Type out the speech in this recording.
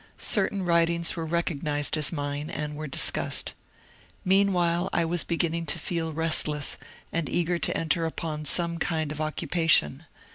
Certain writings were recognized as mine, and were discussed. Meanwhile I was beginning to feel restless and eager to enter upon some kind of occupation.